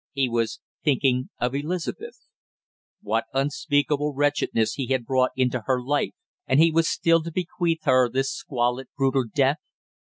He was thinking of Elizabeth. What unspeakable wretchedness he had brought into her life, and he was still to bequeath her this squalid brutal death!